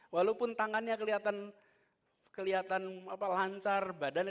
walaupun tangannya kelihatan lancar